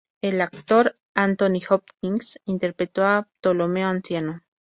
El actor Anthony Hopkins interpretó a Ptolomeo anciano.